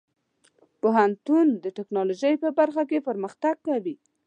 پوهنتون د ټیکنالوژۍ په برخه کې پرمختګ کوي.